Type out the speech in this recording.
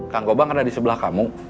kang gobang ada di sebelah kamu